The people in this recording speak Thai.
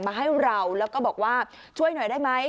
มาให้เราแล้วก็บอกว่าช่วยหน่อยได้ไหม